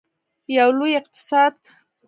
یو لوی اقتصاد.